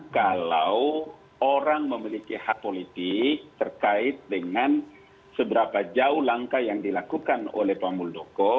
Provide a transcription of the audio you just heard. kalau orang memiliki hak politik terkait dengan seberapa jauh langkah yang dilakukan oleh pak muldoko